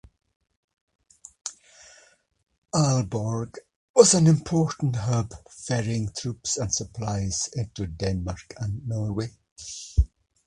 Aalborg was an important hub ferrying troops and supplies into Denmark and Norway.